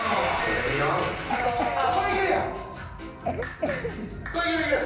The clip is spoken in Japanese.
これいけるやん。